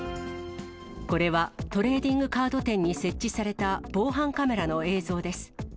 これはトレーディングカード店に設置された防犯カメラの映像です。